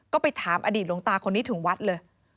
ก็ไปถามอดีตหลวงตาคนนี้ถึงวัดเลย